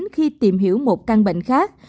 khi tìm hiểu một căn bệnh khác